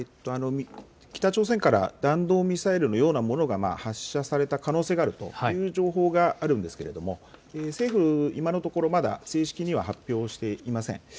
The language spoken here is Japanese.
北朝鮮から弾道ミサイルのようなものが発射された可能性があるという情報があるんですけれども政府、今のところ、まだ正式には発表していません。